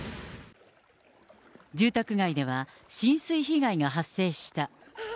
住宅街では浸水被害が発生した。